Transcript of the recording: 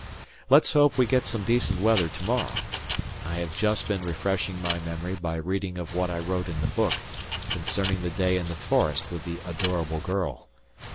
Let's hope we get some decent weather to morrow. I have just been refreshing my memory by reading of what I wrote in the book, concerning the day in the forest with the adorable girl.